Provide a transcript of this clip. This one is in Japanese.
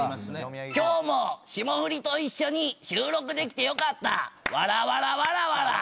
今日も霜降りと一緒に収録できてよかったｗｗｗｗ。